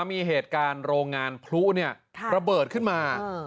มีเหตุการณ์โรงงานพลุระเบิดขึ้นมา